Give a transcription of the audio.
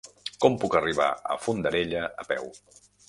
Com puc arribar a Fondarella a peu?